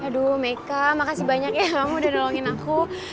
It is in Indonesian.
aduh make makasih banyak ya kamu udah nolongin aku